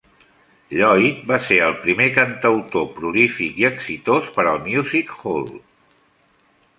Lloyd va ser el primer cantautor prolífic i exitós per al music hall.